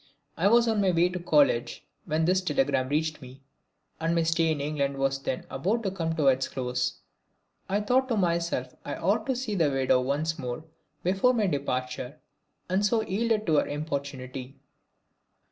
I was on my way to college when this telegram reached me and my stay in England was then about to come to its close. I thought to myself I ought to see the widow once more before my departure, and so yielded to her importunity.